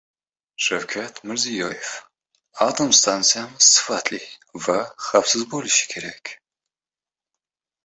Shavkat Mirziyoyev: «Atom stansiyamiz sifatli va xavfsiz bo‘lishi kerak»